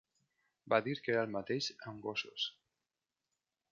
Va dir que era el mateix amb gossos.